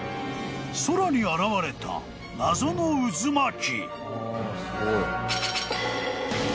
［空に現れた謎の渦巻き］